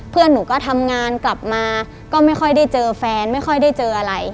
เพื่อนหนูก็ทำงานกลับมาก็ไม่ค่อยได้เจอแฟนไม่ค่อยได้เจออะไร